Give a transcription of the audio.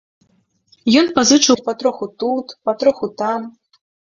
Ён пазычаў патроху тут, патроху там.